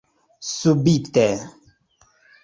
Subite.